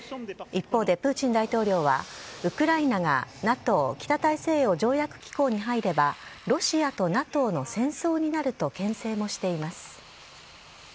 一方で、プーチン大統領は、ウクライナがＮＡＴＯ・北大西洋条約機構に入れば、ロシアとＮＡＴＯの戦争になるとけん制もしています。